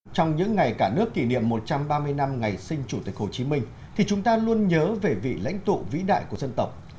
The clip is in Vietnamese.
trong những ngày cả nước kỷ niệm một trăm ba mươi năm ngày sinh chủ tịch hồ chí minh thì chúng ta luôn nhớ về vị lãnh tụ vĩ đại của dân tộc